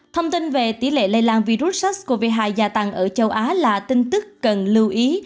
thông tin về tỷ lệ lây lan virus sars cov hai gia tăng ở châu á là tin tức cần lưu ý